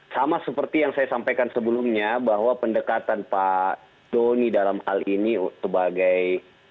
sama seperti yang saya sampaikan sebelumnya bahwa pendekatan pak doni dalam hal ini sebagai